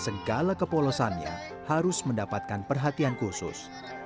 agar tanah menjadi subur